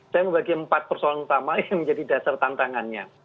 saya membagi empat persoalan utama yang menjadi dasar tantangannya